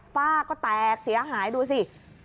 ฝ้าก็แตกเสียหายดูสิ